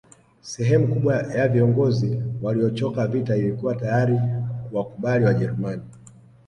Sehemu kubwa ya viongozi waliochoka vita ilikuwa tayari kuwakubali Wajerumani